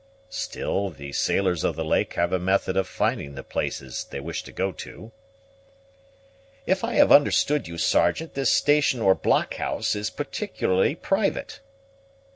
"Still, the sailors of the lake have a method of finding the places they wish to go to." "If I have understood you, Sergeant, this station or blockhouse is particularly private."